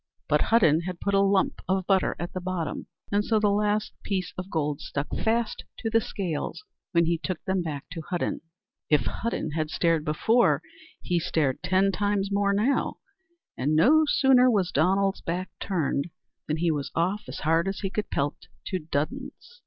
But Hudden had put a lump of butter at the bottom, and so the last piece of gold stuck fast to the scales when he took them back to Hudden. If Hudden had stared before, he stared ten times more now, and no sooner was Donald's back turned, than he was off as hard as he could pelt to Dudden's.